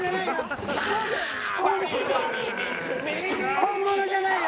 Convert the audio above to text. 本物じゃないよ！